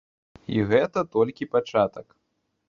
І гэта толькі пачатак!